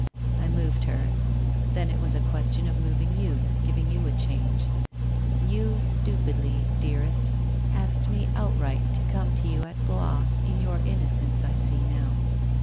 I moved her. Then it was a question of moving you, giving you a change. You stupidly, dearest, asked me outright to come to you at Blois, in your inno cence, I see now.